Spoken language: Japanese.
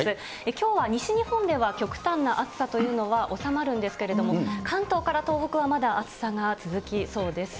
きょうは西日本では極端な暑さというのは収まるんですけども、関東から東北はまだ暑さが続きそうです。